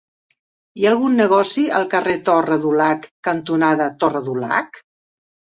Hi ha algun negoci al carrer Torre Dulac cantonada Torre Dulac?